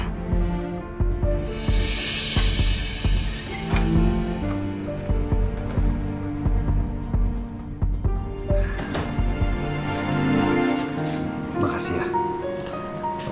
terima kasih ya